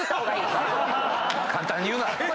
簡単に言うな。